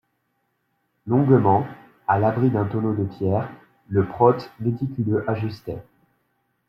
Longuement, à l'abri d'un tonneau de pierres, le prote méticuleux ajustait.